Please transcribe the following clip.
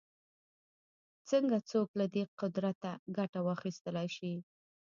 څنګه څوک له دې قدرته ګټه واخیستلای شي